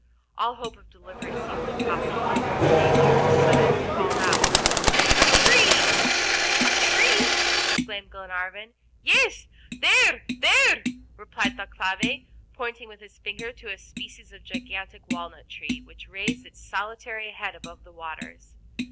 All hope of delivery seemed impossible, when the Major suddenly called out: "A tree!" "A tree?" exclaimed Glenarvan. "Yes, there, there!" replied Thalcave, pointing with his finger to a species of gigantic walnut tree, which raised its solitary head above the waters.